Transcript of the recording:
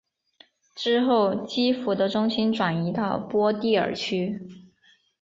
之后基辅的中心转移到波迪尔区。